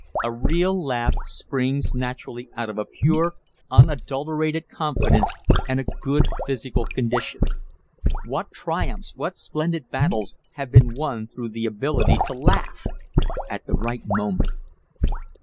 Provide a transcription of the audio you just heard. A real laugh springs naturally out of a pure, unadulterated confidence and a good physical condition. What triumphs, what splendid battles, have been won through the ability to laugh at the right moment.